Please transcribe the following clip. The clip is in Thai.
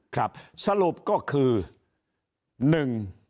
ครับสรุปก็คือ